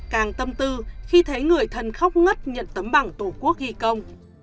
càng tâm tư khi thấy người thân khóc ngất nhận tấm bằng tổ quốc ghi công